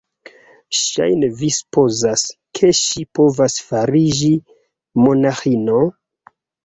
Ŝajne vi supozas, ke ŝi povas fariĝi monaĥino?